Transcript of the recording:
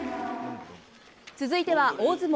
続いては大相撲。